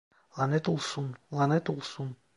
Lanet olsun, lanet olsun!